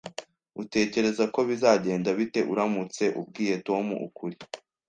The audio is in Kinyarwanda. Utekereza ko bizagenda bite uramutse ubwiye Tom ukuri?